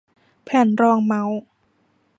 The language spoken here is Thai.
แผ่นรองเม้าส์